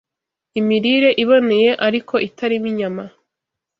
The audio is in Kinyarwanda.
Imirire Iboneye, ariko Itarimo Inyama